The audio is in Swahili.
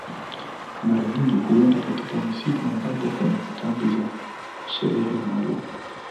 Mara nyingi huenda katika misitu ambapo kuna kambi za sherehe maalum